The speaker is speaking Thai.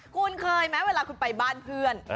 คุณเคยไหมเวลาคุณไปบ้านเพื่อน